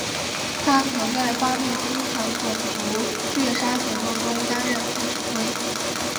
他曾在巴勒斯坦种族屠杀行动中担任副指挥。